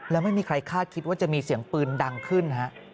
แล้วไม่มีใครคาดคิดว่าจะมีเสียงปืนดังขึ้นฮะ